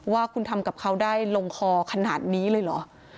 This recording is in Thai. ว่าคุณทำกับเขาได้ลงคอขนาดนี้เลยเหรอ